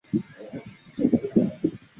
首府基法。